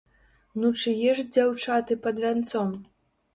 Ну, чые ж дзяўчаты пад вянцом?